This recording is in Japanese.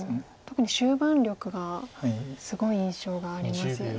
特に終盤力がすごい印象がありますよね。